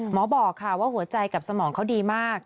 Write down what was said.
หมอบอกค่ะว่าหัวใจกับสมองเขาดีมาก